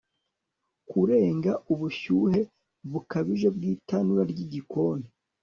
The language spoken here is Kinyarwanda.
Kurenga ubushyuhe bukabije bwitanura ryigikoni